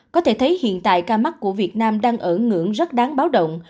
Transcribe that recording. có thể thấy hiện tại ca mắc của việt nam đang ở ngưỡng rất đáng báo động